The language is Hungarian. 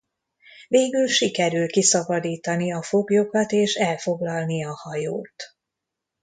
Végül sikerül kiszabadítani a foglyokat és elfoglalni a hajót.